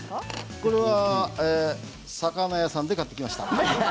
これは魚屋さんで買ってきました。